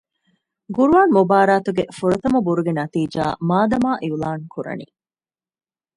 ޤުރުއާން މުބާރާތުގެ ފުރަތަމަ ބުރުގެ ނަތީޖާ މާދަމާ އިޢުލާން ކުރަނީ